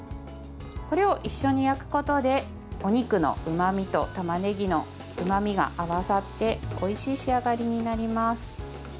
これを一緒に焼くことでお肉のうまみとたまねぎのうまみが合わさっておいしい仕上がりになります。